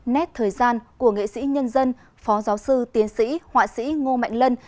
nét thời gian của nghệ sĩ nhân dân phó giáo sư tiến sĩ họa sĩ ngô mạnh lân